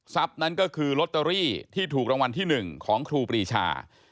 นั้นก็คือลอตเตอรี่ที่ถูกรางวัลที่๑ของครูปรีชา